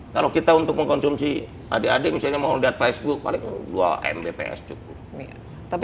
kalau kita untuk mengkonsumsi adik adik misalnya mau lihat facebook paling dua mbps cukup